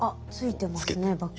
あっついてますね